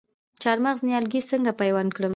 د چهارمغز نیالګي څنګه پیوند کړم؟